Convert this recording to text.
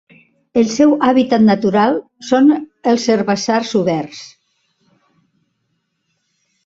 El seu hàbitat natural són els herbassars oberts.